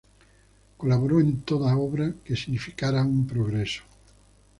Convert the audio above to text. Colaboró en toda obra que significara un progreso.